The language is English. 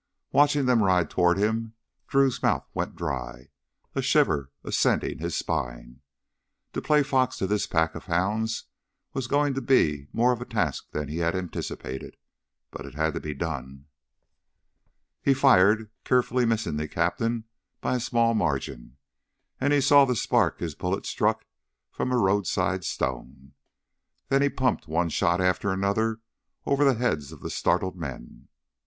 Watching them ride toward him, Drew's mouth went dry, a shiver ascending his spine. To play fox to this pack of hounds was going to be more of a task than he had anticipated. But it had to be done. He fired, carefully missing the captain by a small margin, as he saw the spark his bullet struck from a roadside stone. Then he pumped one shot after another over the heads of the startled men.